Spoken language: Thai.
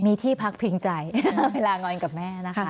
มีที่พักพิงใจเวลางอนกับแม่นะคะ